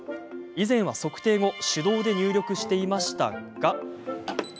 以前は測定後手動で入力していましたが。